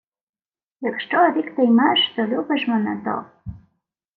— Якщо рікти-ймеш, що любиш мене, то...